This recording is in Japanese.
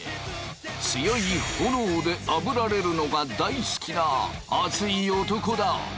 強い炎であぶられるのが大好きな熱い男だ。